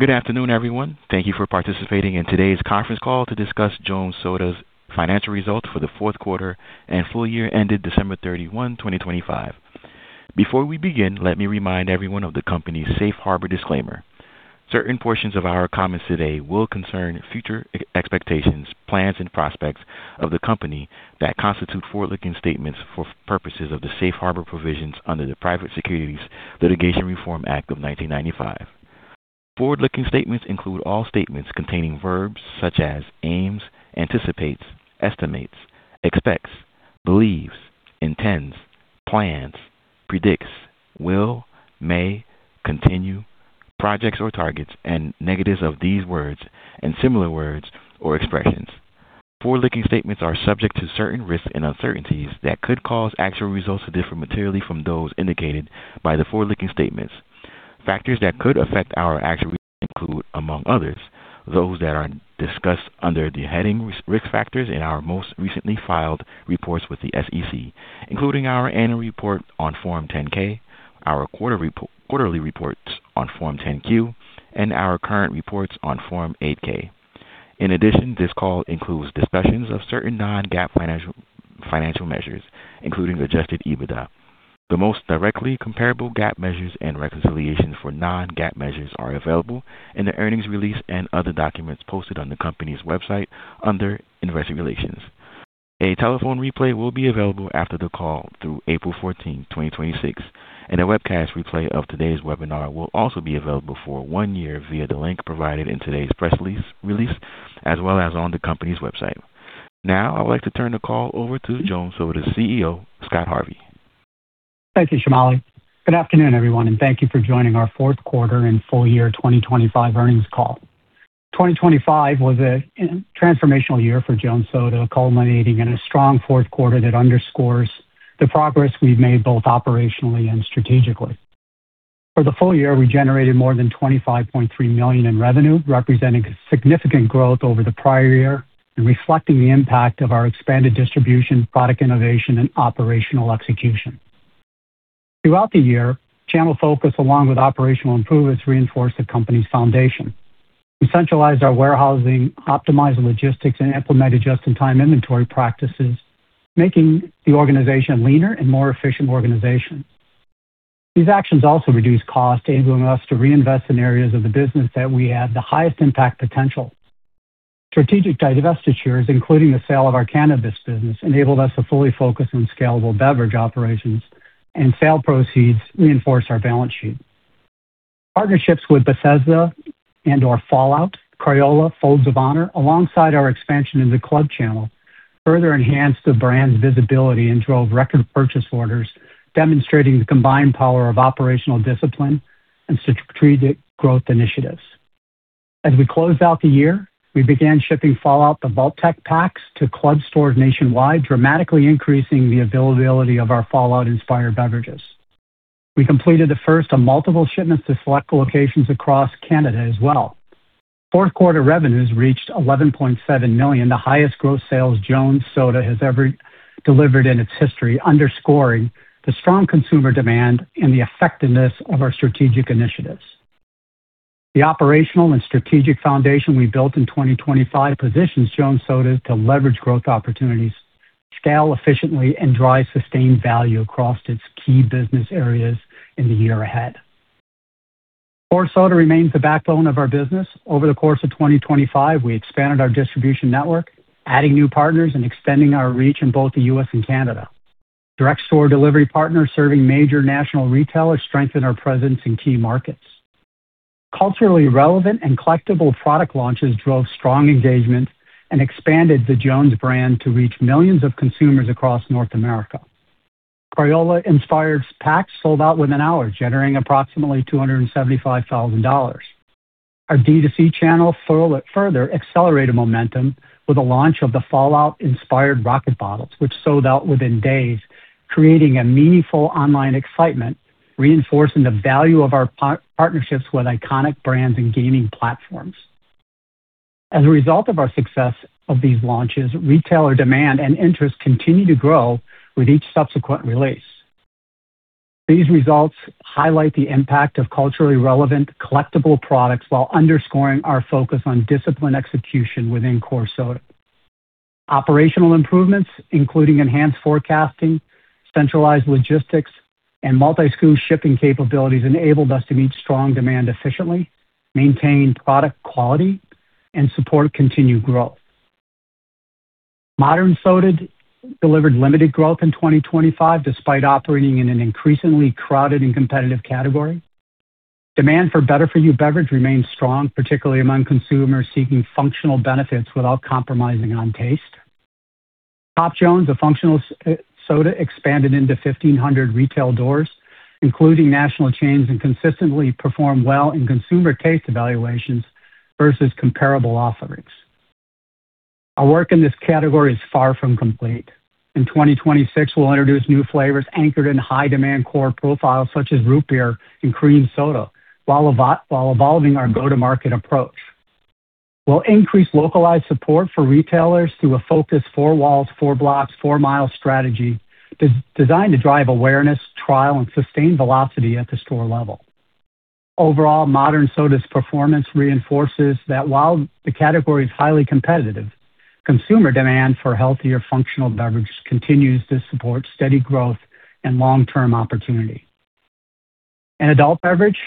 Good afternoon, everyone. Thank you for participating in today's conference call to discuss Jones Soda's financial results for the fourth quarter and full year ended December 31, 2025. Before we begin, let me remind everyone of the company's safe harbor disclaimer. Certain portions of our comments today will concern future expectations, plans, and prospects of the company that constitute forward-looking statements for purposes of the safe harbor provisions under the Private Securities Litigation Reform Act of 1995. Forward-looking statements include all statements containing verbs such as aims, anticipates, estimates, expects, believes, intends, plans, predicts, will, may, continue, projects or targets, and negatives of these words and similar words or expressions. Forward-looking statements are subject to certain risks and uncertainties that could cause actual results to differ materially from those indicated by the forward-looking statements. Factors that could affect our actual results include, among others, those that are discussed under the heading Risk Factors in our most recently filed reports with the SEC, including our annual report on Form 10-K, our quarterly reports on Form 10-Q, and our current reports on Form 8-K. In addition, this call includes discussions of certain non-GAAP financial measures, including Adjusted EBITDA. The most directly comparable GAAP measures and reconciliations for non-GAAP measures are available in the earnings release and other documents posted on the company's website under Investor Relations. A telephone replay will be available after the call through April 14, 2026, and a webcast replay of today's webinar will also be available for one year via the link provided in today's press release, as well as on the company's website. Now, I would like to turn the call over to Jones Soda CEO, Scott Harvey. Thank you, Shamali. Good afternoon, everyone, and thank you for joining our fourth quarter and full year 2025 earnings call. 2025 was a transformational year for Jones Soda, culminating in a strong fourth quarter that underscores the progress we've made both operationally and strategically. For the full year, we generated more than $25.3 million in revenue, representing significant growth over the prior year and reflecting the impact of our expanded distribution, product innovation, and operational execution. Throughout the year, channel focus along with operational improvements reinforced the company's foundation. We centralized our warehousing, optimized logistics, and implemented just-in-time inventory practices, making the organization leaner and more efficient organization. These actions also reduced costs, enabling us to reinvest in areas of the business that we had the highest impact potential. Strategic divestitures, including the sale of our cannabis business, enabled us to fully focus on scalable beverage operations and sale proceeds reinforce our balance sheet. Partnerships with Bethesda and our Fallout, Crayola, Folds of Honor, alongside our expansion in the club channel, further enhanced the brand's visibility and drove record purchase orders, demonstrating the combined power of operational discipline and strategic growth initiatives. As we closed out the year, we began shipping Fallout, the Vault-Tec packs, to club stores nationwide, dramatically increasing the availability of our Fallout-inspired beverages. We completed the first of multiple shipments to select locations across Canada as well. Fourth quarter revenues reached $11.7 million, the highest gross sales Jones Soda has ever delivered in its history, underscoring the strong consumer demand and the effectiveness of our strategic initiatives. The operational and strategic foundation we built in 2025 positions Jones Soda to leverage growth opportunities, scale efficiently, and drive sustained value across its key business areas in the year ahead. Core soda remains the backbone of our business. Over the course of 2025, we expanded our distribution network, adding new partners and extending our reach in both the U.S. and Canada. Direct store delivery partners serving major national retailers strengthen our presence in key markets. Culturally relevant and collectible product launches drove strong engagement and expanded the Jones brand to reach millions of consumers across North America. Crayola-inspired packs sold out within hours, generating approximately $275,000. Our D2C channel further accelerated momentum with the launch of the Fallout-inspired rocket bottles, which sold out within days, creating a meaningful online excitement, reinforcing the value of our partnerships with iconic brands and gaming platforms. As a result of our success of these launches, retailer demand and interest continue to grow with each subsequent release. These results highlight the impact of culturally relevant collectible products while underscoring our focus on disciplined execution within core soda. Operational improvements, including enhanced forecasting, centralized logistics, and multi-SKU shipping capabilities, enabled us to meet strong demand efficiently, maintain product quality, and support continued growth. Modern soda delivered limited growth in 2025 despite operating in an increasingly crowded and competitive category. Demand for better-for-you beverage remains strong, particularly among consumers seeking functional benefits without compromising on taste. Pop Jones, a functional soda, expanded into 1,500 retail doors, including national chains, and consistently performed well in consumer taste evaluations versus comparable offerings. Our work in this category is far from complete. In 2026, we'll introduce new flavors anchored in high demand core profiles such as root beer and cream soda while evolving our go-to-market approach. We'll increase localized support for retailers through a focused four walls, four blocks, four-mile strategy designed to drive awareness, trial, and sustained velocity at the store level. Overall, Pop Jones's performance reinforces that while the category is highly competitive, consumer demand for healthier functional beverages continues to support steady growth and long-term opportunity. In adult beverage,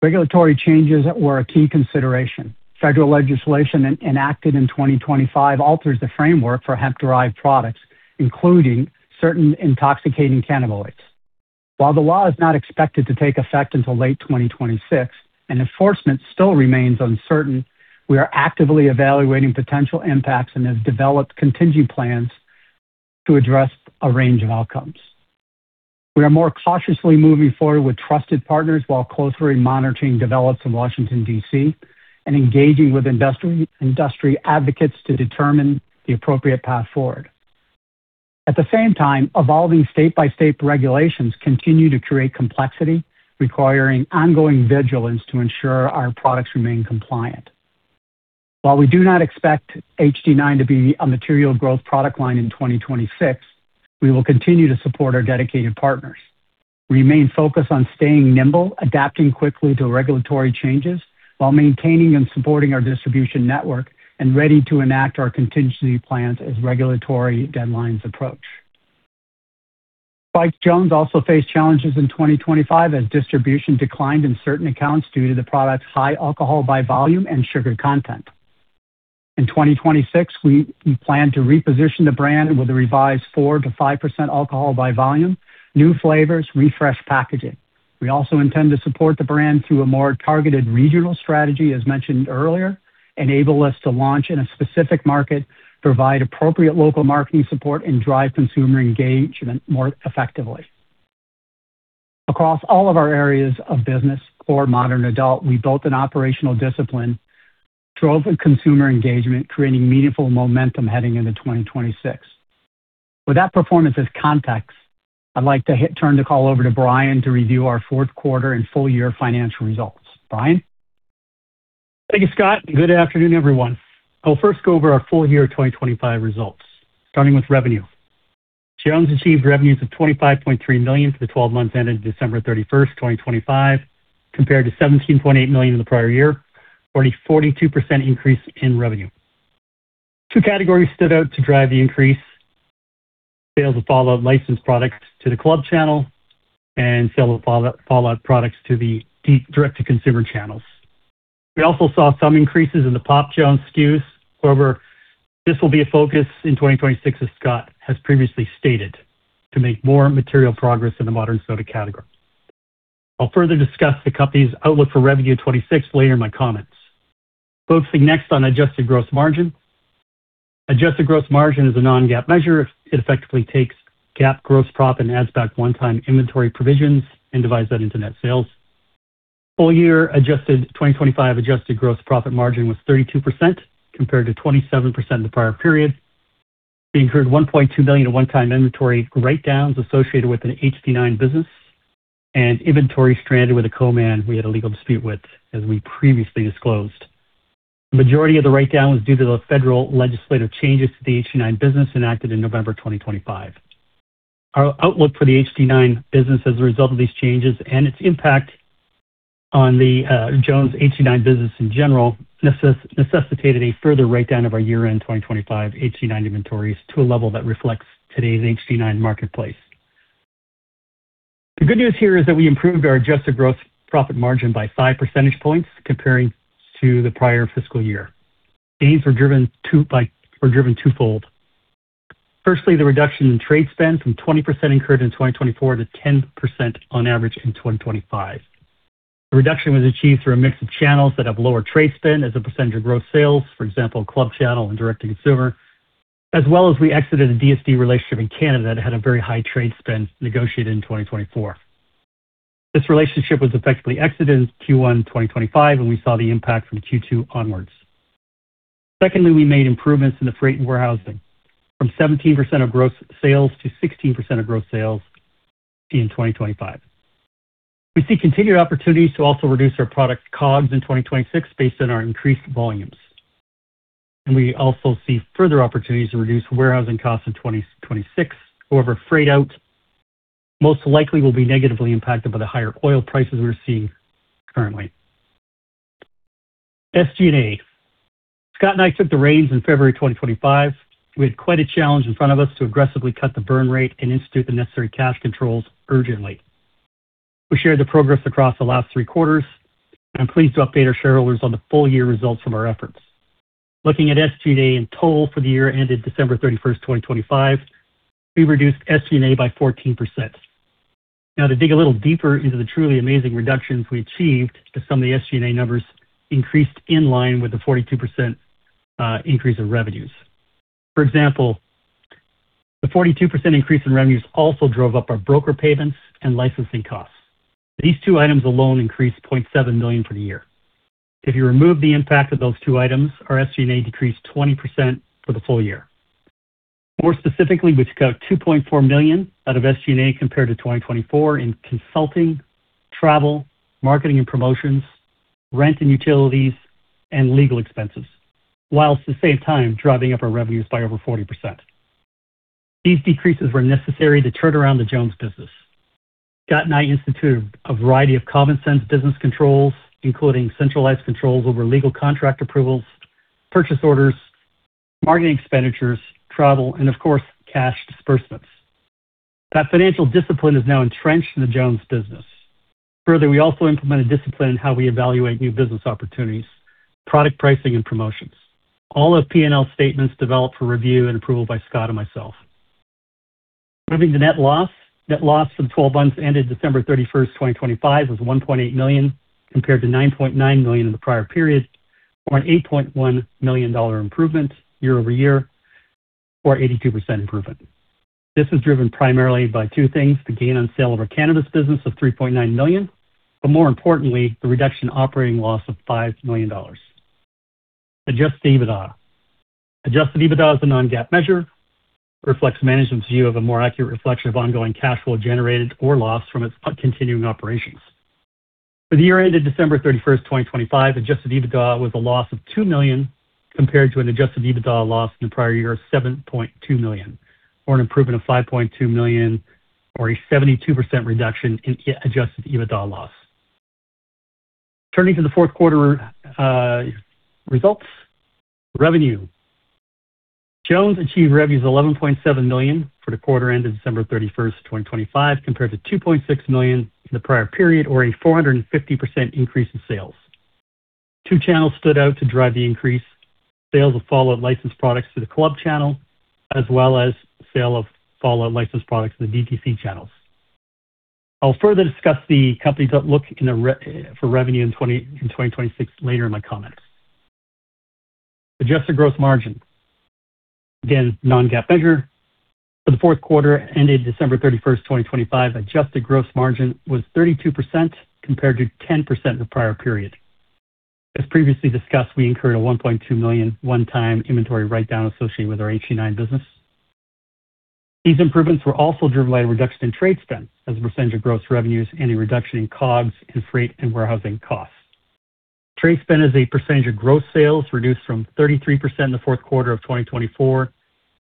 regulatory changes were a key consideration. Federal legislation enacted in 2025 alters the framework for hemp-derived products, including certain intoxicating cannabinoids. While the law is not expected to take effect until late 2026 and enforcement still remains uncertain, we are actively evaluating potential impacts and have developed contingency plans to address a range of outcomes. We are more cautiously moving forward with trusted partners while closely monitoring developments in Washington, D.C., and engaging with industry advocates to determine the appropriate path forward. At the same time, evolving state-by-state regulations continue to create complexity, requiring ongoing vigilance to ensure our products remain compliant. While we do not expect HD9 to be a material growth product line in 2026, we will continue to support our dedicated partners. We remain focused on staying nimble, adapting quickly to regulatory changes while maintaining and supporting our distribution network, and ready to enact our contingency plans as regulatory deadlines approach. Spiked Jones also faced challenges in 2025 as distribution declined in certain accounts due to the product's high alcohol by volume and sugar content. In 2026, we plan to reposition the brand with a revised 4%-5% alcohol by volume, new flavors, refreshed packaging. We also intend to support the brand through a more targeted regional strategy, as mentioned earlier, enable us to launch in a specific market, provide appropriate local marketing support, and drive consumer engagement more effectively. Across all of our areas of business for Modern Adult, we built an operational discipline, drove consumer engagement, creating meaningful momentum heading into 2026. With that performance as context, I'd like to turn the call over to Brian to review our fourth quarter and full year financial results. Brian? Thank you, Scott. Good afternoon, everyone. I'll first go over our full year 2025 results, starting with revenue. Jones achieved revenues of $25.3 million for the 12 months ended December 31, 2025, compared to $17.8 million in the prior year, or a 42% increase in revenue. Two categories stood out to drive the increase. Sales of Fallout licensed products to the club channel and sales of Fallout products to the direct-to-consumer channels. We also saw some increases in the Pop Jones SKUs. However, this will be a focus in 2026, as Scott has previously stated, to make more material progress in the modern soda category. I'll further discuss the company's outlook for revenue 2026 later in my comments. Focusing next on adjusted gross margin. Adjusted gross margin is a non-GAAP measure. It effectively takes GAAP gross profit and adds back one-time inventory provisions and divides that into net sales. Full year adjusted 2025 adjusted gross profit margin was 32% compared to 27% in the prior period. We incurred $1.2 million in one-time inventory write-downs associated with an HD9 business and inventory stranded with a co-man we had a legal dispute with, as we previously disclosed. The majority of the write-down was due to the federal legislative changes to the HD9 business enacted in November 2025. Our outlook for the HD9 business as a result of these changes and its impact on the Jones HD9 business in general necessitated a further write-down of our year-end 2025 HD9 inventories to a level that reflects today's HD9 marketplace. The good news here is that we improved our adjusted gross profit margin by 5 percentage points comparing to the prior fiscal year. Gains were driven twofold. Firstly, the reduction in trade spend from 20% incurred in 2024 to 10% on average in 2025. The reduction was achieved through a mix of channels that have lower trade spend as a percentage of gross sales, for example, club channel and direct-to-consumer, as well as we exited a DSD relationship in Canada that had a very high trade spend negotiated in 2024. This relationship was effectively exited in Q1 2025, and we saw the impact from Q2 onwards. Secondly, we made improvements in the freight and warehousing from 17% of gross sales to 16% of gross sales in 2025. We see continued opportunities to also reduce our product COGS in 2026 based on our increased volumes. We also see further opportunities to reduce warehousing costs in 2026. However, freight out most likely will be negatively impacted by the higher oil prices we're seeing currently. SG&A. Scott and I took the reins in February 2025. We had quite a challenge in front of us to aggressively cut the burn rate and institute the necessary cash controls urgently. We shared the progress across the last 3 quarters, and I'm pleased to update our shareholders on the full year results from our efforts. Looking at SG&A in total for the year ended December 31, 2025, we reduced SG&A by 14%. Now to dig a little deeper into the truly amazing reductions we achieved, 'cause some of the SG&A numbers increased in line with the 42% increase in revenues. For example, the 42% increase in revenues also drove up our broker payments and licensing costs. These two items alone increased $0.7 million for the year. If you remove the impact of those two items, our SG&A decreased 20% for the full year. More specifically, we took out $2.4 million out of SG&A compared to 2024 in consulting, travel, marketing and promotions, rent and utilities, and legal expenses, whilst at the same time driving up our revenues by over 40%. These decreases were necessary to turn around the Jones business. Scott and I instituted a variety of common sense business controls, including centralized controls over legal contract approvals, purchase orders, marketing expenditures, travel, and of course, cash disbursements. That financial discipline is now entrenched in the Jones business. Further, we also implemented discipline in how we evaluate new business opportunities, product pricing and promotions. All of P&L statements developed for review and approval by Scott and myself. Moving to net loss. Net loss for the 12 months ended December 31, 2025 was $1.8 million, compared to $9.9 million in the prior period, or an $8.1 million improvement year-over-year, or 82% improvement. This is driven primarily by two things, the gain on sale of our cannabis business of $3.9 million, but more importantly, the reduction in operating loss of $5 million. Adjusted EBITDA. Adjusted EBITDA is a non-GAAP measure. It reflects management's view of a more accurate reflection of ongoing cash flow generated or lost from its continuing operations. For the year ended December 31, 2025, Adjusted EBITDA was a loss of $2 million, compared to an Adjusted EBITDA loss in the prior year of $7.2 million, or an improvement of $5.2 million, or a 72% reduction in Adjusted EBITDA loss. Turning to the fourth quarter results. Revenue. Jones achieved revenues $11.7 million for the quarter ended December 31, 2025, compared to $2.6 million in the prior period, or a 450% increase in sales. Two channels stood out to drive the increase. Sales of Fallout licensed products to the club channel, as well as sale of Fallout licensed products in the DTC channels. I'll further discuss the company's outlook for revenue in 2026 later in my comments. Adjusted gross margin. Again, non-GAAP measure. For the fourth quarter ended December 31, 2025, adjusted gross margin was 32% compared to 10% in the prior period. As previously discussed, we incurred a $1.2 million one-time inventory write-down associated with our HD9 business. These improvements were also driven by a reduction in trade spend as a percentage of gross revenues and a reduction in COGS and freight and warehousing costs. Trade spend as a percentage of gross sales reduced from 33% in the fourth quarter of 2024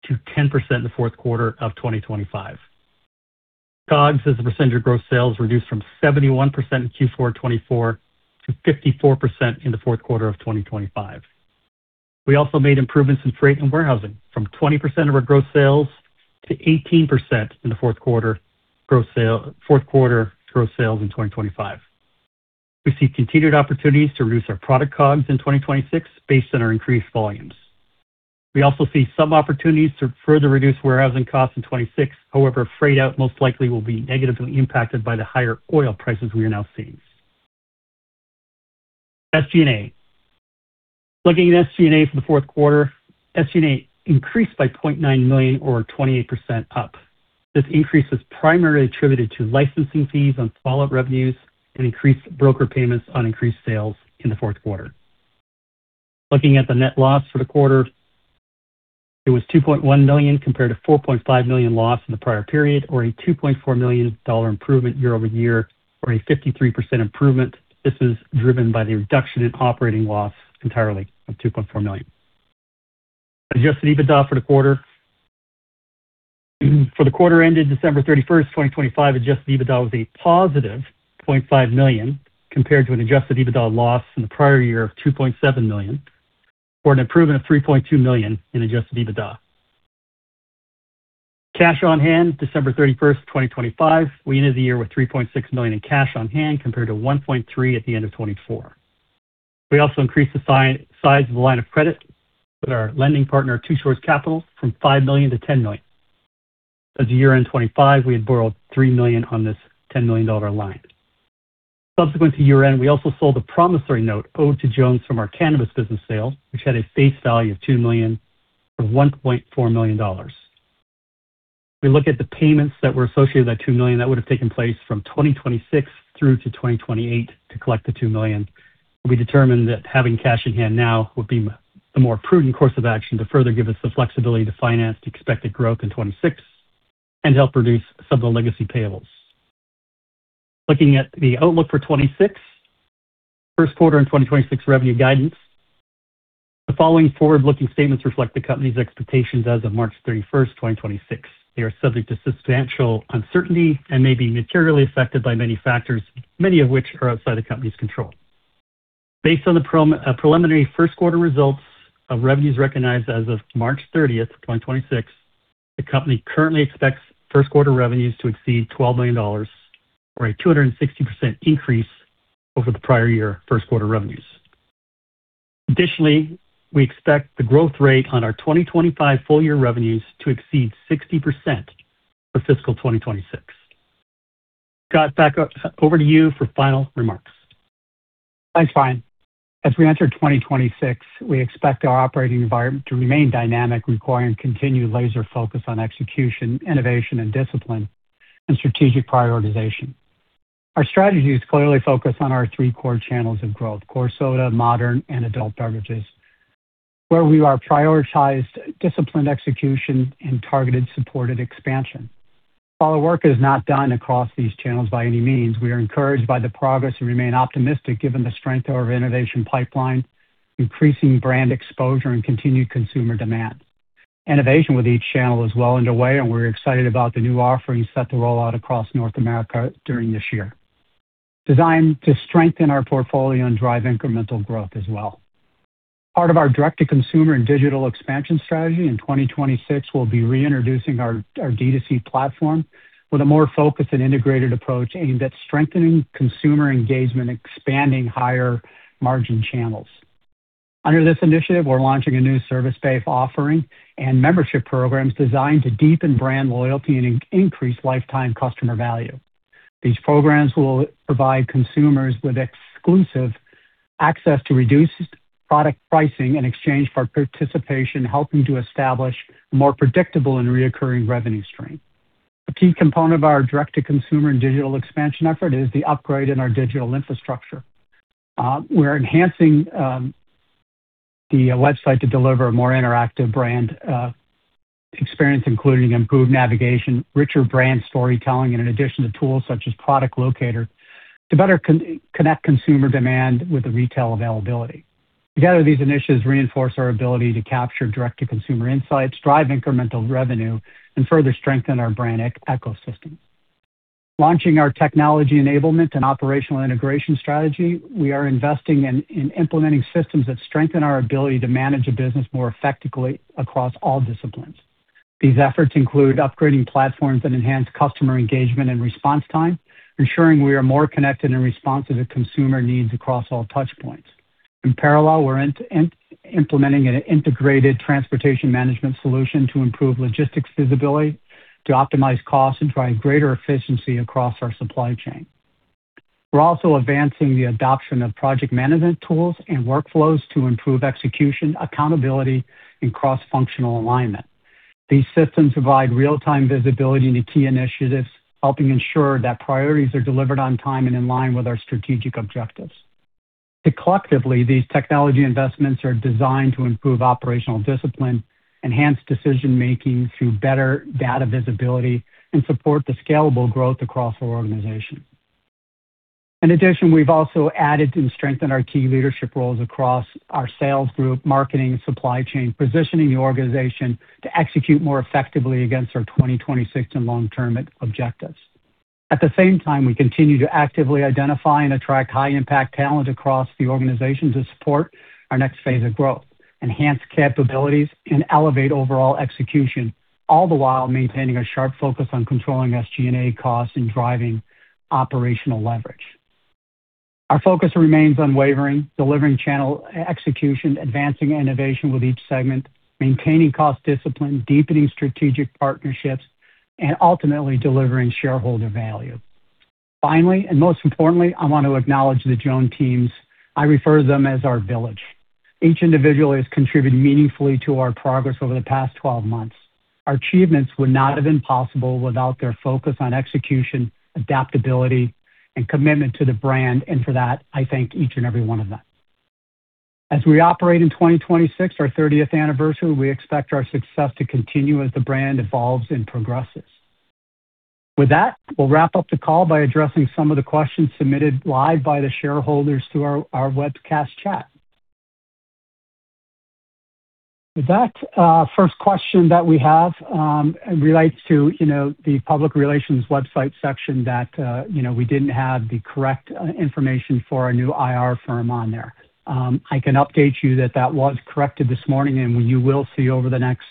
to 10% in the fourth quarter of 2025. COGS as a percentage of gross sales reduced from 71% in Q4 2024 to 54% in the fourth quarter of 2025. We also made improvements in freight and warehousing from 20% of our gross sales to 18% in the fourth quarter gross sales in 2025. We see continued opportunities to reduce our product COGS in 2026 based on our increased volumes. We also see some opportunities to further reduce warehousing costs in 2026. However, freight out most likely will be negatively impacted by the higher oil prices we are now seeing. SG&A. Looking at SG&A for the fourth quarter, SG&A increased by $0.9 million or 28% up. This increase is primarily attributed to licensing fees on Fallout revenues and increased broker payments on increased sales in the fourth quarter. Looking at the net loss for the quarter, it was $2.1 million compared to $4.5 million loss in the prior period or a $2.4 million improvement year-over-year or a 53% improvement. This is driven by the reduction in operating loss entirely of $2.4 million. Adjusted EBITDA for the quarter. For the quarter ended December 31, 2025, adjusted EBITDA was a positive $0.5 million compared to an adjusted EBITDA loss in the prior year of $2.7 million, or an improvement of $3.2 million in adjusted EBITDA. Cash on hand December 31, 2025. We ended the year with $3.6 million in cash on hand compared to $1.3 at the end of 2024. We also increased the size of the line of credit with our lending partner, Two Shores Capital, from $5 million to $10 million. As of year-end 2025, we had borrowed $3 million on this $10 million line. Subsequent to year-end, we also sold a promissory note owed to Jones from our cannabis business sale, which had a face value of $2 million or $1.4 million. We look at the payments that were associated with that $2 million that would have taken place from 2026 through to 2028 to collect the $2 million. We determined that having cash in hand now would be the more prudent course of action to further give us the flexibility to finance the expected growth in 2026 and help reduce some of the legacy payables. Looking at the outlook for 2026. First quarter in 2026 revenue guidance. The following forward-looking statements reflect the company's expectations as of March 31, 2026. They are subject to substantial uncertainty and may be materially affected by many factors, many of which are outside the company's control. Based on the preliminary first quarter results of revenues recognized as of March 30, 2026, the company currently expects first quarter revenues to exceed $12 million or a 260% increase over the prior year first quarter revenues. Additionally, we expect the growth rate on our 2025 full year revenues to exceed 60% for fiscal 2026. Scott, over to you for final remarks. Thanks, Brian. As we enter 2026, we expect our operating environment to remain dynamic, requiring continued laser focus on execution, innovation and discipline, and strategic prioritization. Our strategy is clearly focused on our three core channels of growth, core soda, modern, and adult beverages, where we are prioritizing disciplined execution and targeted, supported expansion. While the work is not done across these channels by any means, we are encouraged by the progress and remain optimistic given the strength of our innovation pipeline, increasing brand exposure and continued consumer demand. Innovation with each channel is well underway, and we're excited about the new offerings set to roll out across North America during this year, designed to strengthen our portfolio and drive incremental growth as well. Part of our direct-to-consumer and digital expansion strategy in 2026 will be reintroducing our D2C platform with a more focused and integrated approach aimed at strengthening consumer engagement, expanding higher margin channels. Under this initiative, we're launching a new service-based offering and membership programs designed to deepen brand loyalty and increase lifetime customer value. These programs will provide consumers with exclusive access to reduced product pricing in exchange for participation, helping to establish a more predictable and recurring revenue stream. A key component of our direct-to-consumer and digital expansion effort is the upgrade in our digital infrastructure. We're enhancing the website to deliver a more interactive brand experience, including improved navigation, richer brand storytelling, and an addition to tools such as Product Locator to better connect consumer demand with the retail availability. Together, these initiatives reinforce our ability to capture direct to consumer insights, drive incremental revenue, and further strengthen our brand ecosystem. Launching our technology enablement and operational integration strategy, we are investing in implementing systems that strengthen our ability to manage a business more effectively across all disciplines. These efforts include upgrading platforms that enhance customer engagement and response time, ensuring we are more connected and responsive to consumer needs across all touch points. In parallel, we're implementing an integrated transportation management solution to improve logistics visibility, to optimize costs, and drive greater efficiency across our supply chain. We're also advancing the adoption of project management tools and workflows to improve execution, accountability, and cross-functional alignment. These systems provide real-time visibility into key initiatives, helping ensure that priorities are delivered on time and in line with our strategic objectives. Collectively, these technology investments are designed to improve operational discipline, enhance decision-making through better data visibility, and support the scalable growth across our organization. In addition, we've also added and strengthened our key leadership roles across our sales group, marketing, supply chain, positioning the organization to execute more effectively against our 2026 and long-term objectives. At the same time, we continue to actively identify and attract high impact talent across the organization to support our next phase of growth, enhance capabilities, and elevate overall execution, all the while maintaining a sharp focus on controlling SG&A costs and driving operational leverage. Our focus remains unwavering, delivering channel execution, advancing innovation with each segment, maintaining cost discipline, deepening strategic partnerships, and ultimately delivering shareholder value. Finally, and most importantly, I want to acknowledge the Jones teams. I refer to them as our village. Each individual has contributed meaningfully to our progress over the past 12 months. Our achievements would not have been possible without their focus on execution, adaptability, and commitment to the brand. For that, I thank each and every one of them. As we operate in 2026, our 30th anniversary, we expect our success to continue as the brand evolves and progresses. With that, we'll wrap up the call by addressing some of the questions submitted live by the shareholders through our webcast chat. With that, first question that we have relates to, you know, the public relations website section that, you know, we didn't have the correct information for our new IR firm on there. I can update you that that was corrected this morning, and you will see over the next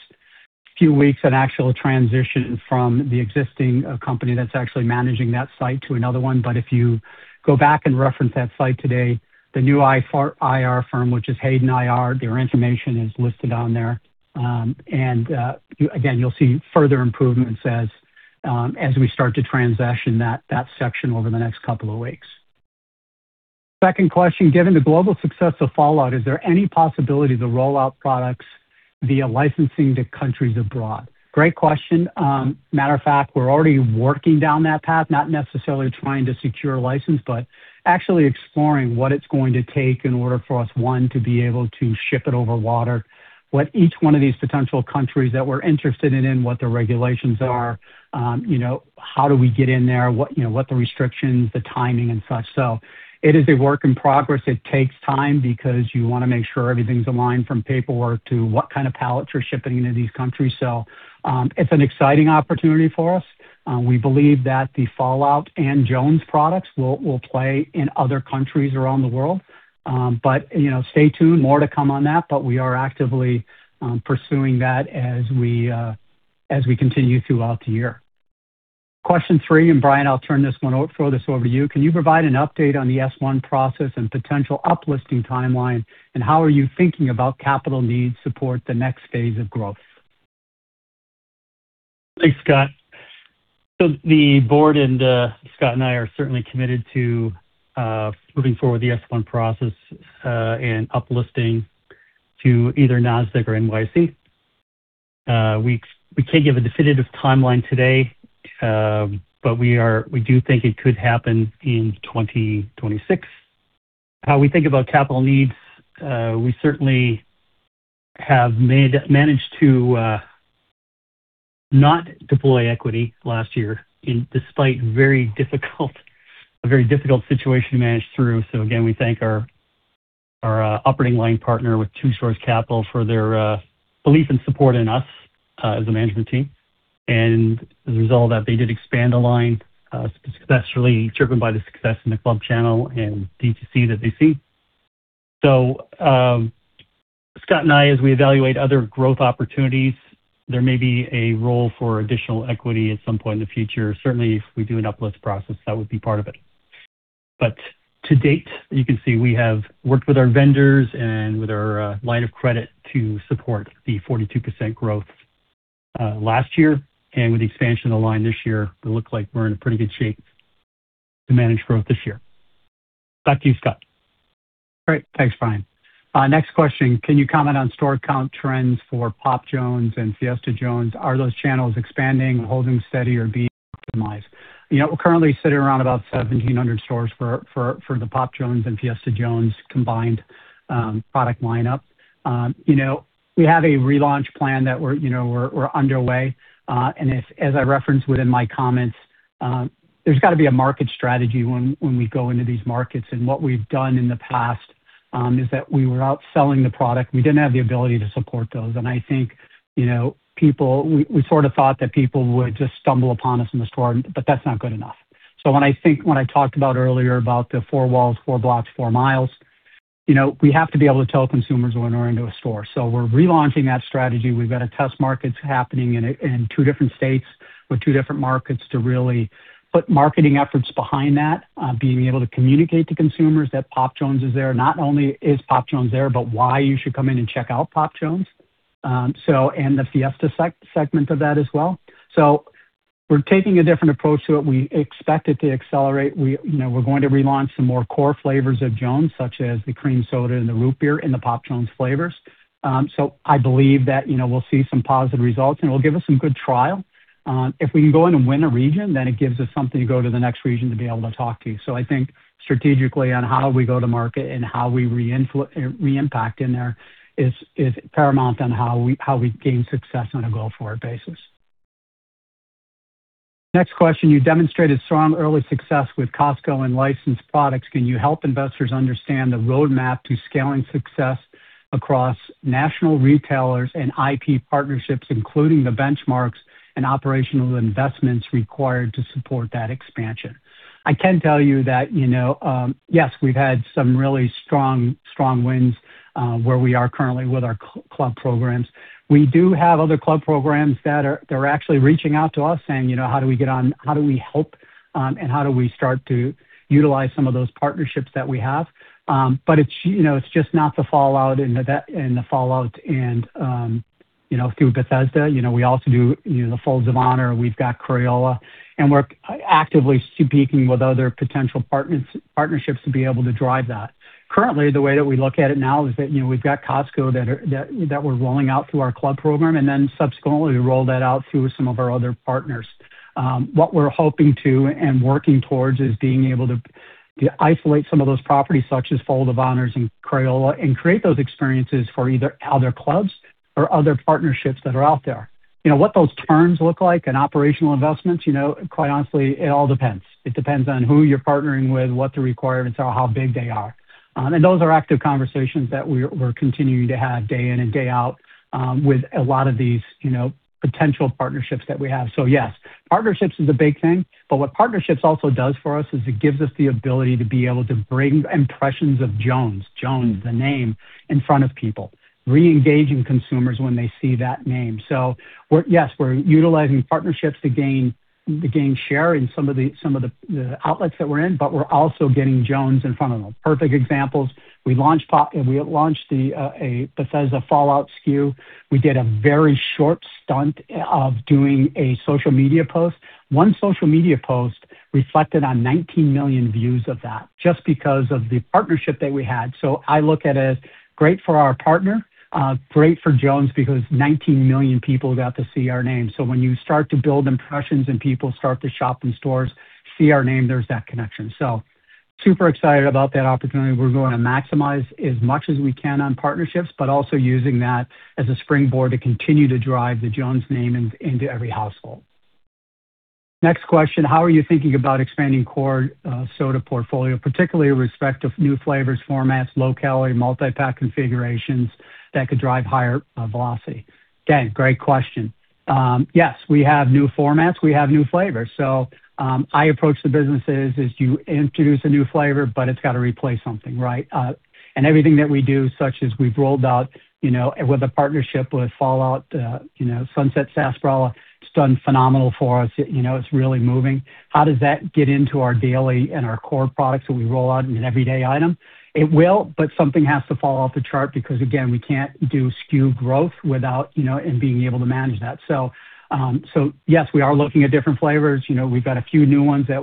few weeks an actual transition from the existing company that's actually managing that site to another one. If you go back and reference that site today, the new IR firm, which is Hayden IR, their information is listed on there. Again, you'll see further improvements as we start to transition that section over the next couple of weeks. Second question, given the global success of Fallout, is there any possibility to roll out products via licensing to countries abroad? Great question. Matter of fact, we're already working down that path, not necessarily trying to secure a license, but actually exploring what it's going to take in order for us, one, to be able to ship it over water. What each one of these potential countries that we're interested in, what the regulations are, you know, how do we get in there, what, you know, what the restrictions, the timing and such. It is a work in progress. It takes time because you wanna make sure everything's aligned from paperwork to what kind of pallets you're shipping into these countries. It's an exciting opportunity for us. We believe that the Fallout and Jones products will play in other countries around the world. You know, stay tuned. More to come on that, but we are actively pursuing that as we continue throughout the year. Question three, and Brian, I'll throw this over to you. Can you provide an update on the S-1 process and potential up-listing timeline, and how are you thinking about capital needs support the next phase of growth? Thanks, Scott. The board and Scott and I are certainly committed to moving forward the S-1 process and up-listing to either Nasdaq or NYSE. We can't give a definitive timeline today, but we do think it could happen in 2026. How we think about capital needs, we certainly have managed to not deploy equity last year in spite of a very difficult situation to manage through. We thank our operating line partner with Two Shores Capital for their belief and support in us as a management team. As a result of that, they did expand the line successfully, driven by the success in the club channel and DTC that they see. Scott and I, as we evaluate other growth opportunities, there may be a role for additional equity at some point in the future. Certainly, if we do an uplist process, that would be part of it. To date, you can see we have worked with our vendors and with our line of credit to support the 42% growth last year. With the expansion of the line this year, we look like we're in a pretty good shape to manage growth this year. Back to you, Scott. Great. Thanks, Brian. Next question. Can you comment on store count trends for Pop Jones and Fiesta Jones? Are those channels expanding, holding steady or being optimized? You know, we're currently sitting around about 1,700 stores for the Pop Jones and Fiesta Jones combined product lineup. You know, we have a relaunch plan that we're underway. And as I referenced within my comments, there's got to be a market strategy when we go into these markets. What we've done in the past is that we were out selling the product. We didn't have the ability to support those. I think, you know, people. We sort of thought that people would just stumble upon us in the store, but that's not good enough. When I talked about earlier about the four walls, four blocks, four miles, you know, we have to be able to tell consumers when we're into a store. We're relaunching that strategy. We've got a test market happening in two different states with two different markets to really put marketing efforts behind that, being able to communicate to consumers that Pop Jones is there. Not only is Pop Jones there, but why you should come in and check out Pop Jones, and the Fiesta segment of that as well. We're taking a different approach to it. We expect it to accelerate. We, you know, we're going to relaunch some more core flavors of Jones, such as the cream soda and the root beer in the Pop Jones flavors. I believe that, you know, we'll see some positive results, and it'll give us some good trial. If we can go in and win a region, then it gives us something to go to the next region to be able to talk to. I think strategically on how we go to market and how we re-impact in there is paramount on how we gain success on a go-forward basis. Next question. You demonstrated strong early success with Costco and licensed products. Can you help investors understand the roadmap to scaling success across national retailers and IP partnerships, including the benchmarks and operational investments required to support that expansion? I can tell you that, you know, yes, we've had some really strong wins, where we are currently with our club programs. We do have other club programs that they're actually reaching out to us saying, you know, "How do we get on? How do we help, and how do we start to utilize some of those partnerships that we have?" It's, you know, it's just not the Fallout, you know, through Bethesda. You know, we also do, you know, the Folds of Honor. We've got Crayola, and we're actively speaking with other potential partnerships to be able to drive that. Currently, the way that we look at it now is that, you know, we've got Costco that we're rolling out through our club program, and then subsequently roll that out through some of our other partners. What we're hoping to and working towards is being able to isolate some of those properties, such as Folds of Honor and Crayola, and create those experiences for either other clubs or other partnerships that are out there. You know, what those terms look like and operational investments, you know, quite honestly, it all depends. It depends on who you're partnering with, what the requirements are, how big they are. Those are active conversations that we're continuing to have day in and day out with a lot of these, you know, potential partnerships that we have. Yes, partnerships is a big thing. What partnerships also does for us is it gives us the ability to be able to bring impressions of Jones, the name, in front of people, re-engaging consumers when they see that name. Yes, we're utilizing partnerships to gain share in some of the outlets that we're in, but we're also getting Jones in front of them. Perfect examples. We launched a Bethesda Fallout SKU. We did a very short stunt of doing a social media post. One social media post resulted in 19 million views of that just because of the partnership that we had. I look at it as great for our partner, great for Jones because 19 million people got to see our name. When you start to build impressions and people start to shop in stores, see our name, there's that connection. Super excited about that opportunity. We're going to maximize as much as we can on partnerships, but also using that as a springboard to continue to drive the Jones name into every household. Next question. How are you thinking about expanding core soda portfolio, particularly with respect to new flavors, formats, low calorie, multi-pack configurations that could drive higher velocity? Again, great question. Yes, we have new formats. We have new flavors. I approach the businesses as you introduce a new flavor, but it's got to replace something, right? And everything that we do, such as we've rolled out, you know, with a partnership with Fallout, you know, Sunset Sarsaparilla, it's done phenomenal for us. You know, it's really moving. How does that get into our daily and our core products that we roll out in an everyday item? It will, but something has to fall off the chart because again, we can't do SKU growth without, you know, and being able to manage that. Yes, we are looking at different flavors. You know, we've got a few new ones that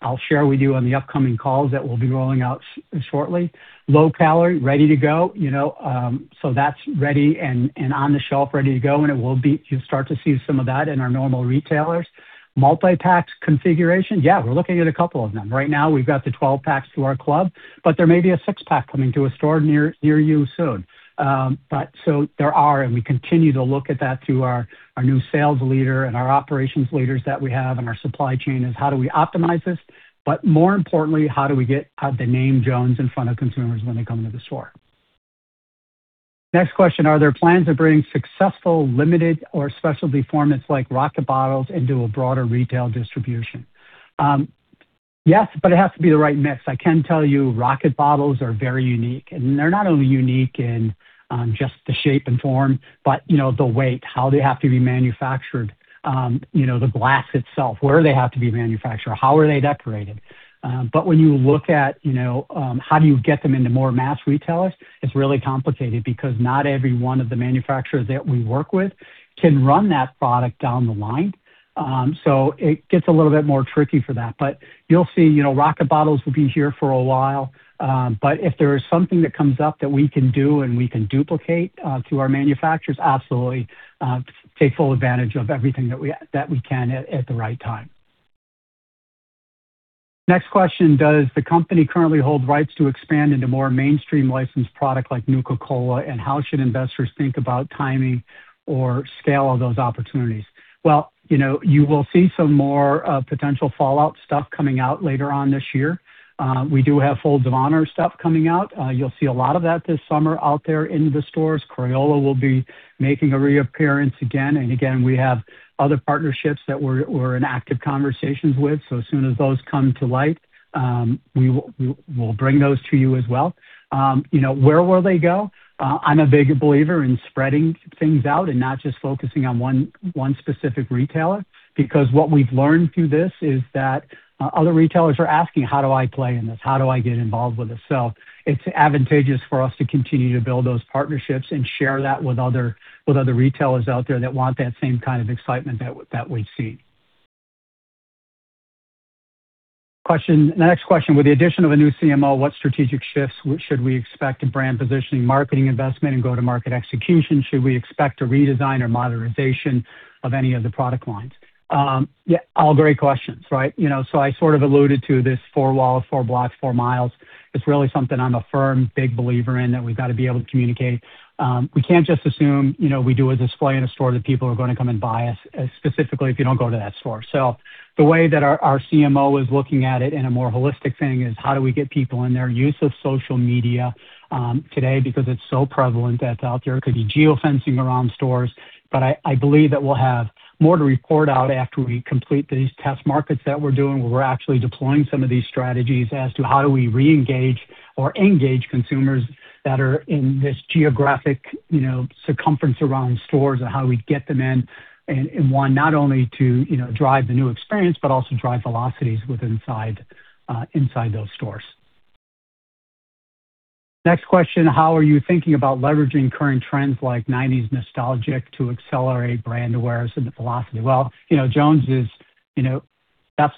I'll share with you on the upcoming calls that we'll be rolling out shortly. Low calorie, ready to go, you know, that's ready and on the shelf ready to go. It will be. You'll start to see some of that in our normal retailers. Multi-pack configuration. Yeah, we're looking at a couple of them. Right now, we've got the 12 packs through our club, but there may be a 6 pack coming to a store near you soon. There are, and we continue to look at that through our new sales leader and our operations leaders that we have and our supply chain is how do we optimize this? More importantly, how do we have the name Jones in front of consumers when they come into the store? Next question. Are there plans to bring successful limited or specialty formats like rocket bottles into a broader retail distribution? Yes, but it has to be the right mix. I can tell you, rocket bottles are very unique, and they're not only unique in just the shape and form, but you know, the weight, how they have to be manufactured, you know, the glass itself, where they have to be manufactured, how they are decorated. When you look at, you know, how do you get them into more mass retailers, it's really complicated because not every one of the manufacturers that we work with can run that product down the line. It gets a little bit more tricky for that. You'll see, you know, rocket bottles will be here for a while. If there is something that comes up that we can do and we can duplicate through our manufacturers, absolutely take full advantage of everything that we can at the right time. Next question. Does the company currently hold rights to expand into more mainstream licensed product like Nuka-Cola, and how should investors think about timing or scale of those opportunities? Well, you know, you will see some more potential Fallout stuff coming out later on this year. We do have Folds of Honor stuff coming out. You'll see a lot of that this summer out there in the stores. Crayola will be making a reappearance again and again. We have other partnerships that we're in active conversations with, so as soon as those come to light, we will bring those to you as well. You know, where will they go? I'm a big believer in spreading things out and not just focusing on one specific retailer because what we've learned through this is that other retailers are asking, "How do I play in this? How do I get involved with this?" It's advantageous for us to continue to build those partnerships and share that with other retailers out there that want that same kind of excitement that we've seen. Question. The next question, with the addition of a new CMO, what strategic shifts should we expect in brand positioning, marketing investment, and go-to-market execution? Should we expect a redesign or modernization of any of the product lines? Yeah, all great questions, right? You know, I sort of alluded to this four walls, four blocks, four miles. It's really something I'm a firm, big believer in that we've got to be able to communicate. We can't just assume, you know, we do a display in a store that people are gonna come and buy us, specifically if you don't go to that store. The way that our CMO is looking at it in a more holistic thing is how do we get people in there? Use of social media today because it's so prevalent that's out there. Could be geo-fencing around stores. I believe that we'll have more to report out after we complete these test markets that we're doing, where we're actually deploying some of these strategies as to how do we reengage or engage consumers that are in this geographic, you know, circumference around stores and how we get them in and one, not only to, you know, drive the new experience, but also drive velocities inside those stores. Next question. How are you thinking about leveraging current trends like 90s nostalgia to accelerate brand awareness and the velocity? Well, you know, Jones is, you know, that's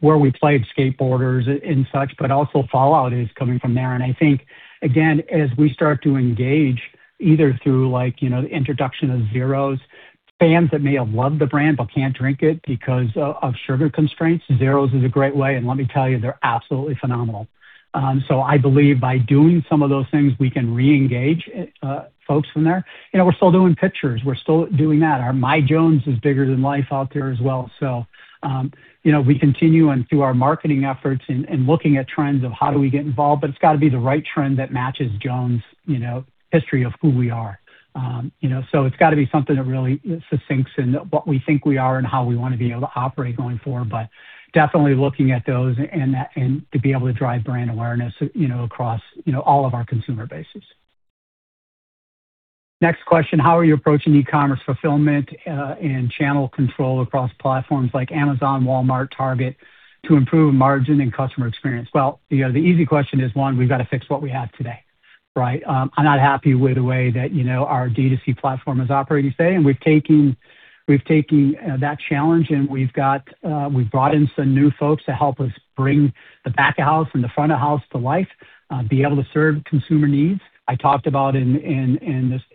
where we played skateboarders and such, but also Fallout is coming from there. I think, again, as we start to engage either through, like, you know, the introduction of Zeros, fans that may have loved the brand but can't drink it because of sugar constraints, Zeros is a great way, and let me tell you, they're absolutely phenomenal. I believe by doing some of those things, we can reengage folks from there. You know, we're still doing pitchers. We're still doing that. Our MyJones is bigger than life out there as well. You know, we continue on through our marketing efforts and looking at trends of how do we get involved, but it's got to be the right trend that matches Jones's history of who we are. You know, it's got to be something that really sinks in what we think we are and how we wanna be able to operate going forward. Definitely looking at those and that, and to be able to drive brand awareness, you know, across, you know, all of our consumer bases. Next question. How are you approaching e-commerce fulfillment and channel control across platforms like Amazon, Walmart, Target to improve margin and customer experience? Well, you know, the easy question is, one, we've got to fix what we have today, right? I'm not happy with the way that, you know, our D2C platform is operating today, and we're taking that challenge, and we've brought in some new folks to help us bring the back of house and the front of house to life, be able to serve consumer needs. I talked about in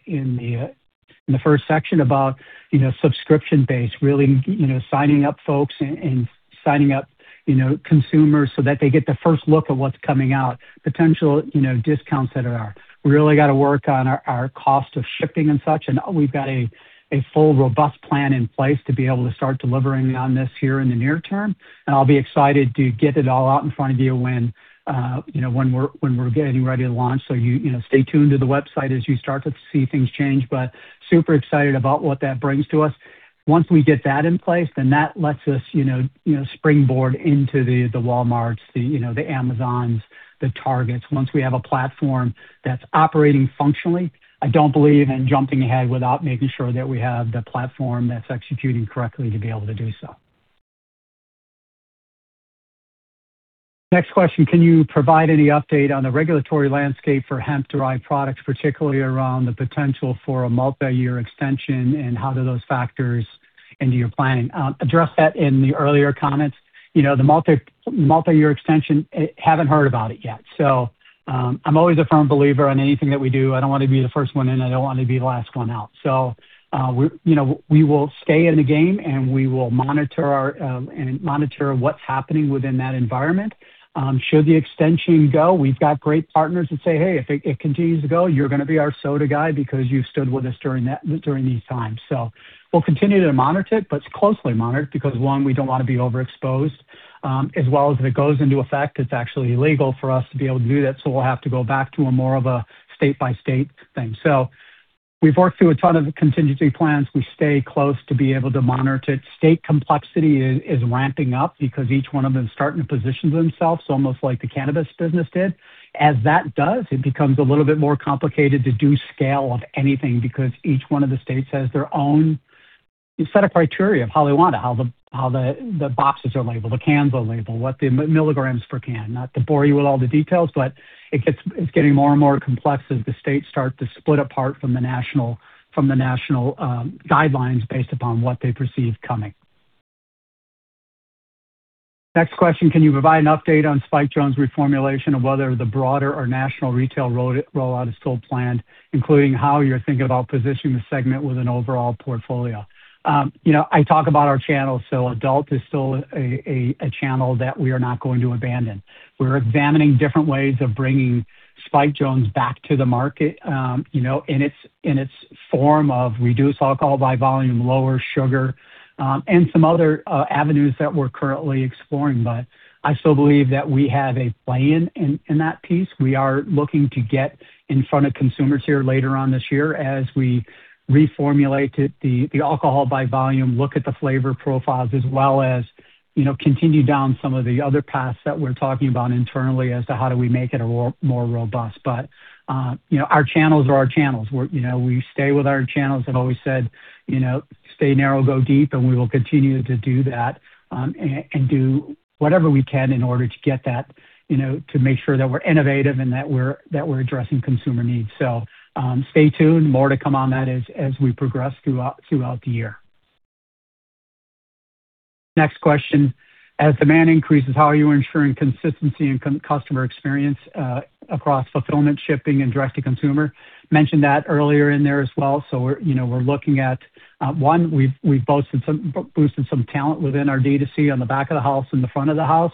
the first section about, you know, subscription base, really, you know, signing up folks and signing up, you know, consumers so that they get the first look of what's coming out, potential, you know, discounts that are. We really got to work on our cost of shipping and such, and we've got a full, robust plan in place to be able to start delivering on this here in the near term. I'll be excited to get it all out in front of you when, you know, when we're getting ready to launch. You know, stay tuned to the website as you start to see things change, but super excited about what that brings to us. Once we get that in place, then that lets us, you know, springboard into the Walmarts, you know, the Amazons, the Targets. Once we have a platform that's operating functionally, I don't believe in jumping ahead without making sure that we have the platform that's executing correctly to be able to do so. Next question. Can you provide any update on the regulatory landscape for hemp-derived products, particularly around the potential for a multi-year extension, and how do those factors into your planning? Addressed that in the earlier comments. You know, the multi-year extension, haven't heard about it yet. I'm always a firm believer in anything that we do, I don't wanna be the first one in, I don't wanna be the last one out. We, you know, we will stay in the game, and we will monitor what's happening within that environment. Should the extension go, we've got great partners that say, "Hey, if it continues to go, you're gonna be our soda guy because you stood with us during these times." We'll continue to monitor it, but it's closely monitored because, one, we don't wanna be overexposed, as well as if it goes into effect, it's actually illegal for us to be able to do that, so we'll have to go back to a more of a state-by-state thing. We've worked through a ton of contingency plans. We stay close to be able to monitor. State complexity is ramping up because each one of them is starting to position themselves almost like the cannabis business did. As that does, it becomes a little bit more complicated to do scale of anything because each one of the states has their own set of criteria of how they want it, how the boxes are labeled, the cans are labeled, what the milligrams per can. Not to bore you with all the details, but it gets, it's getting more and more complex as the states start to split apart from the national guidelines based upon what they perceive coming. Next question. Can you provide an update on Spiked Jones reformulation of whether the broader or national retail roll-out is still planned, including how you're thinking about positioning the segment with an overall portfolio? You know, I talk about our channels, so adult is still a channel that we are not going to abandon. We're examining different ways of bringing Spiked Jones back to the market, you know, in its form of reduced alcohol by volume, lower sugar, and some other avenues that we're currently exploring. I still believe that we have a plan in that piece. We are looking to get in front of consumers here later on this year as we reformulate it, the alcohol by volume, look at the flavor profiles as well as, you know, continue down some of the other paths that we're talking about internally as to how do we make it a more robust. You know, our channels are our channels. We stay with our channels. I've always said, you know, stay narrow, go deep, and we will continue to do that, and do whatever we can in order to get that, you know, to make sure that we're innovative and that we're addressing consumer needs. Stay tuned. More to come on that as we progress throughout the year. Next question. As demand increases, how are you ensuring consistency in customer experience across fulfillment, shipping, and direct-to-consumer? Mentioned that earlier in there as well. We're, you know, looking at one, we've boosted some talent within our D2C on the back of the house and the front of the house.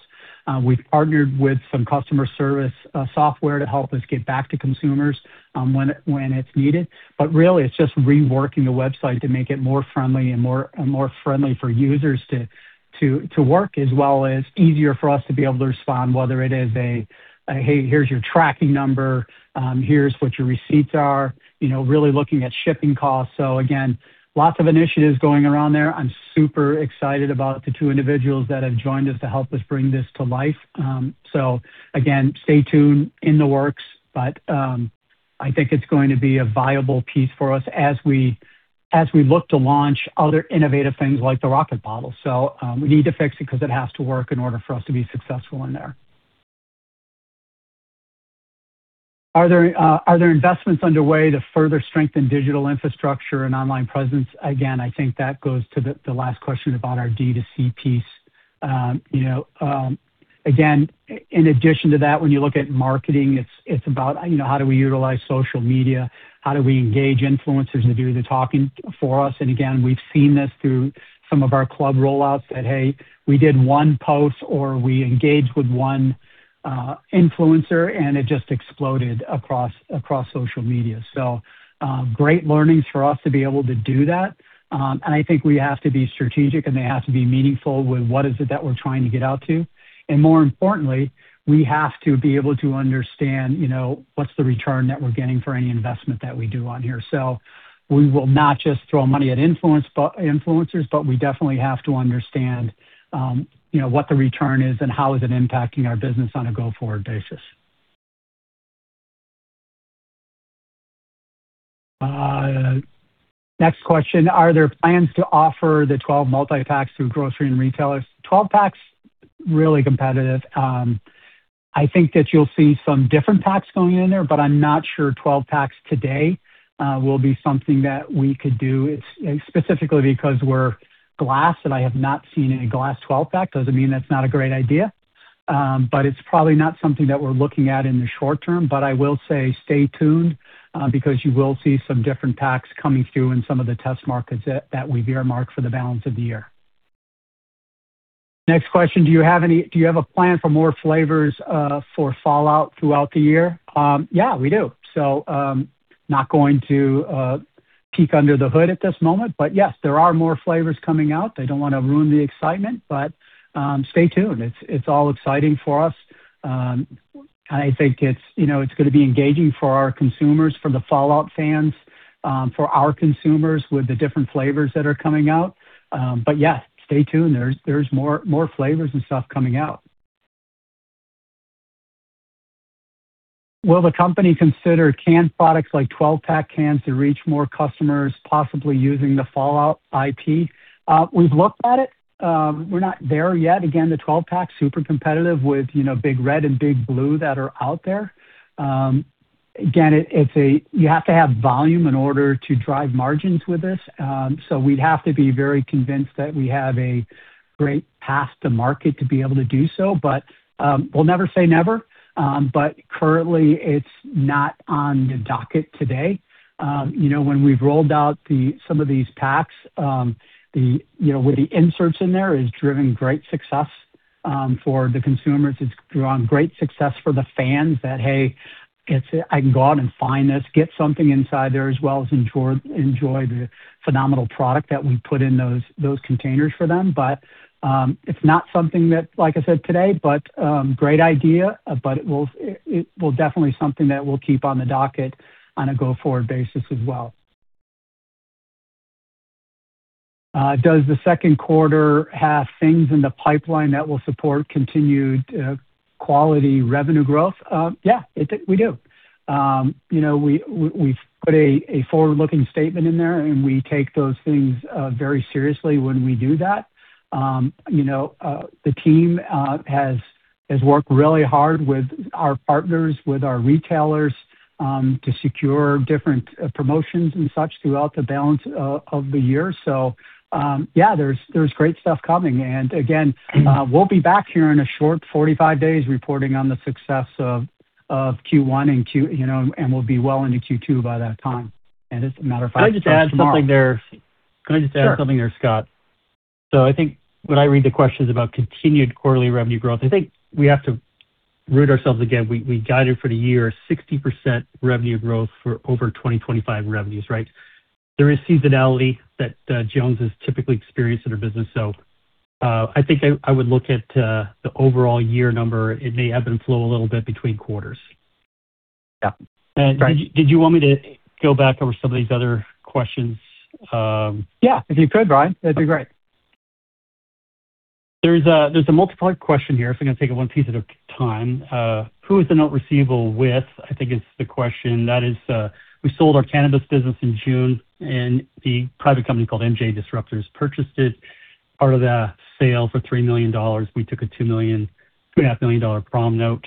We've partnered with some customer service software to help us get back to consumers when it's needed. Really, it's just reworking the website to make it more friendly and more friendly for users to work, as well as easier for us to be able to respond, whether it is a, "Hey, here's your tracking number," "Here's what your receipts are." You know, really looking at shipping costs. Again, lots of initiatives going around there. I'm super excited about the two individuals that have joined us to help us bring this to life. Again, stay tuned in the works. I think it's going to be a viable piece for us as we look to launch other innovative things like the Rocket Bottle. We need to fix it 'cause it has to work in order for us to be successful in there. Are there investments underway to further strengthen digital infrastructure and online presence? Again, I think that goes to the last question about our D2C piece. You know, again, in addition to that, when you look at marketing, it's about, you know, "How do we utilize social media? How do we engage influencers to do the talking for us?" Again, we've seen this through some of our club rollouts that, "Hey, we did one post or we engaged with one influencer, and it just exploded across social media." Great learnings for us to be able to do that. I think we have to be strategic, and they have to be meaningful with what is it that we're trying to get out to. More importantly, we have to be able to understand, you know, what's the return that we're getting for any investment that we do online. We will not just throw money at influencers, but we definitely have to understand, you know, what the return is and how is it impacting our business on a go-forward basis. Next question. Are there plans to offer the 12 multipacks through grocery and retailers? 12-packs, really competitive. I think that you'll see some different packs going in there, but I'm not sure 12 packs today will be something that we could do. It's specifically because we're glass, and I have not seen any glass 12-pack. Doesn't mean that's not a great idea, but it's probably not something that we're looking at in the short term. I will say stay tuned, because you will see some different packs coming through in some of the test markets that we've earmarked for the balance of the year. Next question. Do you have a plan for more flavors for Fallout throughout the year? Yeah, we do. Not going to peek under the hood at this moment, but yes, there are more flavors coming out. I don't wanna ruin the excitement, but stay tuned. It's all exciting for us. I think it's, you know, it's gonna be engaging for our consumers, for the Fallout fans, for our consumers with the different flavors that are coming out. Yes, stay tuned. There's more flavors and stuff coming out. Will the company consider canned products like 12-pack cans to reach more customers, possibly using the Fallout IP? We've looked at it. We're not there yet. Again, the 12-pack, super competitive with, you know, Big Red and Big Blue that are out there. Again, it's a—you have to have volume in order to drive margins with this, so we'd have to be very convinced that we have a great path to market to be able to do so. But we'll never say never, but currently it's not on the docket today. You know, when we've rolled out some of these packs, the, you know, with the inserts in there has driven great success for the consumers. It's drawn great success for the fans that, "Hey, it's, I can go out and find this, get something inside there," as well as enjoy the phenomenal product that we put in those containers for them. It's not something that, like I said today. Great idea, but it will definitely be something that we'll keep on the docket on a go-forward basis as well. Does the second quarter have things in the pipeline that will support continued quality revenue growth? Yeah, it did, we do. You know, we've put a forward-looking statement in there and we take those things very seriously when we do that. You know, the team has worked really hard with our partners, with our retailers, to secure different promotions and such throughout the balance of the year. Yeah, there's great stuff coming. Again, we'll be back here in a short 45 days reporting on the success of Q1, you know, and we'll be well into Q2 by that time. As a matter of fact, it starts tomorrow. Can I just add something there? Sure. Can I just add something there, Scott? I think when I read the questions about continued quarterly revenue growth, I think we have to root ourselves again. We guided for the year 60% revenue growth over 2025 revenues, right? There is seasonality that Jones has typically experienced in our business. I think I would look at the overall year number. It may ebb and flow a little bit between quarters. Yeah. Right. Did you want me to go back over some of these other questions? Yeah, if you could, Brian, that'd be great. There's a multi-part question here, so I'm gonna take it one piece at a time. Who is the note receivable with, I think is the question. That is, we sold our cannabis business in June, and the private company called MJ Reg Disrupters purchased it. Part of that sale for $3 million, we took a $2.5 million prom note.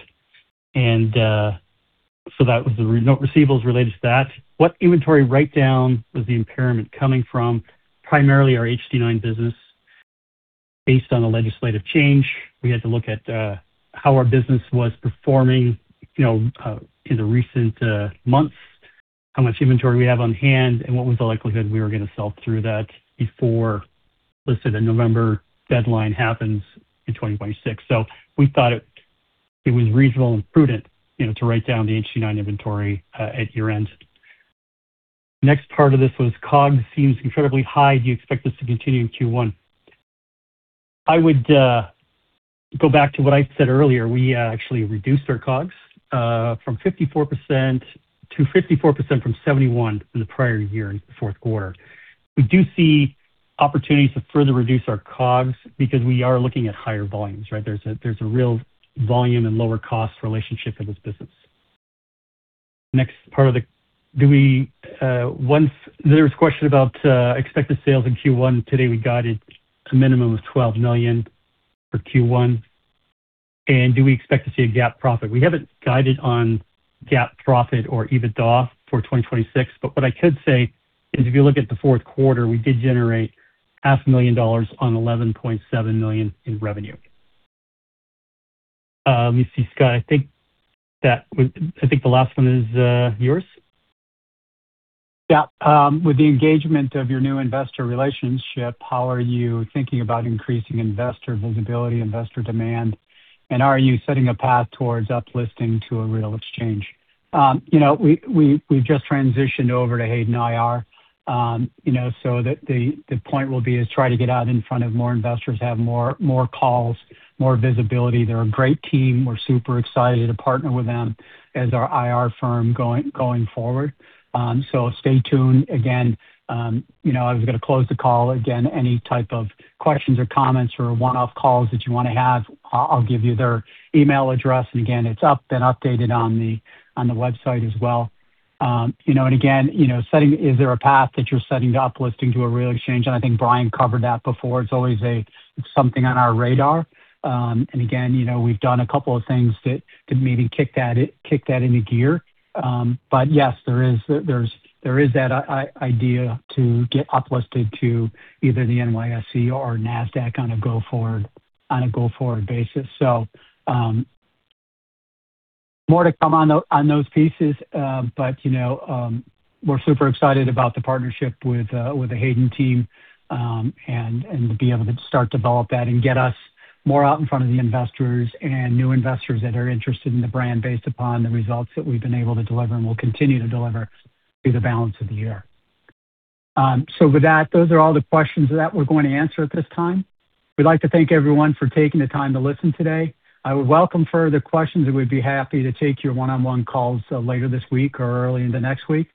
So that was the note receivables related to that. What inventory writedown was the impairment coming from? Primarily our HD9 business. Based on the legislative change, we had to look at how our business was performing, you know, in the recent months, how much inventory we have on hand, and what was the likelihood we were gonna sell through that before, let's say the November deadline happens in 2026. We thought it was reasonable and prudent, you know, to write down the HD9 inventory at year-end. Next part of this was, COGS seems incredibly high. Do you expect this to continue in Q1? I would go back to what I said earlier. We actually reduced our COGS from 71% to 54% in the prior year in the fourth quarter. We do see opportunities to further reduce our COGS because we are looking at higher volumes, right? There's a real volume and lower cost relationship in this business. There was a question about expected sales in Q1. Today, we guided to a minimum of $12 million for Q1. Do we expect to see a GAAP profit? We haven't guided on GAAP profit or EBITDA for 2026. What I could say is if you look at the fourth quarter, we did generate half a million dollars on $11.7 million in revenue. Let me see, Scott. I think the last one is yours. Yeah. With the engagement of your new investor relationship, how are you thinking about increasing investor visibility, investor demand, and are you setting a path towards up-listing to a real exchange? We've just transitioned over to Hayden IR. You know, so the point will be is try to get out in front of more investors, have more calls, more visibility. They're a great team. We're super excited to partner with them as our IR firm going forward. Stay tuned. Again, you know, I was gonna close the call. Again, any type of questions or comments or one-off calls that you wanna have, I'll give you their email address. Again, it's up and updated on the website as well. You know, and again, you know, setting... Is there a path that you're setting to up-listing to a real exchange? I think Brian covered that before. It's always something on our radar. Again, you know, we've done a couple of things that could maybe kick that into gear. Yes, there is that idea to get up-listed to either the NYSE or Nasdaq on a go-forward basis. More to come on those pieces. We're super excited about the partnership with the Hayden IR team, and to be able to start to develop that and get us more out in front of the investors and new investors that are interested in the brand based upon the results that we've been able to deliver and will continue to deliver through the balance of the year. With that, those are all the questions that we're going to answer at this time. We'd like to thank everyone for taking the time to listen today. I would welcome further questions, and we'd be happy to take your one-on-one calls later this week or early into next week.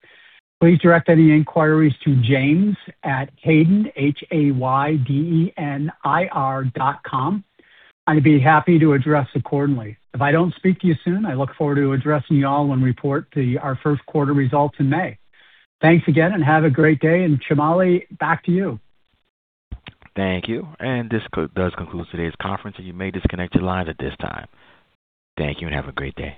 Please direct any inquiries to James at Hayden IR, haydenir.com. I'd be happy to address accordingly. If I don't speak to you soon, I look forward to addressing you all when we report our first quarter results in May. Thanks again and have a great day. Shamali, back to you. Thank you. This concludes today's conference, and you may disconnect your line at this time. Thank you and have a great day.